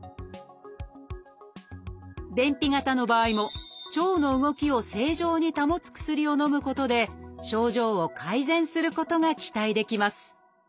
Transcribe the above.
便秘型の場合も腸の動きを正常に保つ薬をのむことで症状を改善することが期待できます